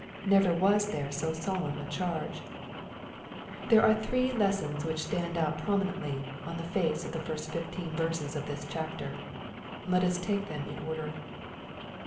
Never was there so solemn a charge ! There are three lessons which stand out prominently on the face of the first fifteen verses of this chapter. Let us take them in order.